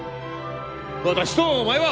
私とお前は！